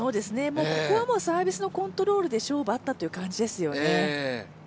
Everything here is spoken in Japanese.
ここはもうサービスのコントロールで勝負あったという感じですよね。